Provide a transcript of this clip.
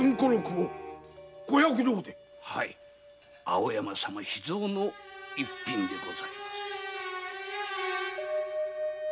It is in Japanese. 青山様秘蔵の逸品でございます。